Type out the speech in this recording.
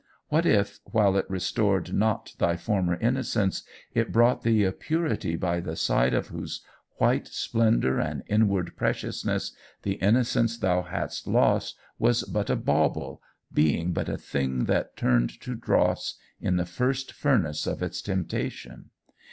What if, while it restored not thy former innocence, it brought thee a purity by the side of whose white splendour and inward preciousness, the innocence thou hadst lost was but a bauble, being but a thing that turned to dross in the first furnace of its temptation?